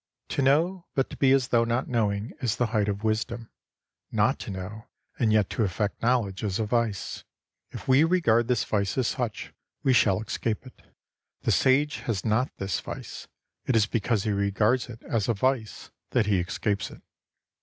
To know, but to be as though not knowing, is the height of wisdom. Not to know, and yet to affect knowledge, is a vice. If we regard this vice as such, we shall escape it. The Sage has not this vice. It is because he regards it as a vice that he escapes it.